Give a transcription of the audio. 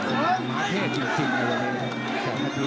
อืมเพศอยู่จริงอ่ะวันนี้ครับแสงกะทิต